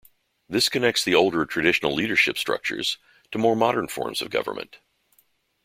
This connects the older traditional leadership structures to more modern forms of government.